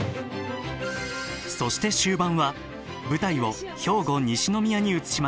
そして終盤は舞台を兵庫西宮に移します。